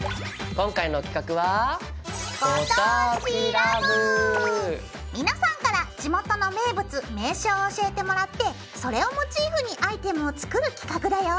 今回の企画は皆さんから地元の名物名所を教えてもらってそれをモチーフにアイテムを作る企画だよ！